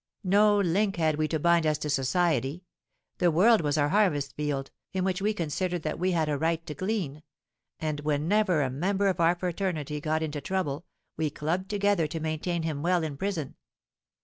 No link had we to bind us to society: the world was our harvest field, in which we considered that we had a right to glean; and whenever a member of our fraternity got 'into trouble,' we clubbed together to maintain him well in prison.